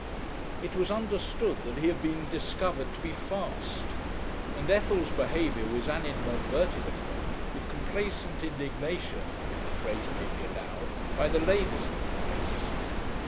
It was understood that he had been discovered to be "fast," and Ethel's behaviour was animadverted upon with complacent Indignation if the phrase may be allowed by the ladies of the place.